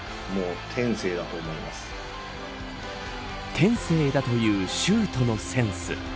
天性だというシュートのセンス。